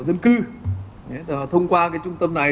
dân cư thông qua cái trung tâm này